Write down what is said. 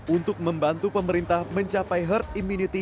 untuk membantu pemerintah mencapai herd immunity